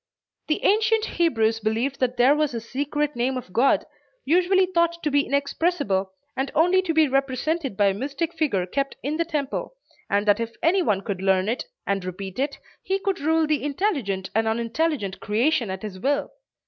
The ancient Hebrews believed that there was a secret name of God, usually thought to be inexpressible, and only to be represented by a mystic figure kept in the Temple, and that if any one could learn it, and repeat it, he could rule the intelligent and unintelligent creation at his will.